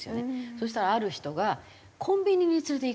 そしたらある人がコンビニに連れていくといいと。